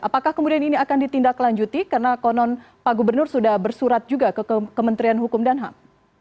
apakah kemudian ini akan ditindaklanjuti karena konon pak gubernur sudah bersurat juga ke kementerian hukum dan ham